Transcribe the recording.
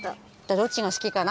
どっちがすきかな？